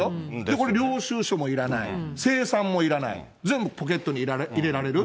これ、領収書もいらない、精算もいらない、全部ポケットに入れられる。